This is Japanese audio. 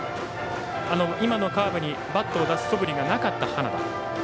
今のカーブにバットを出すそぶりがなかった花田。